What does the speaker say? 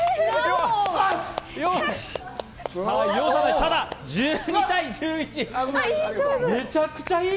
ただ１２対１１。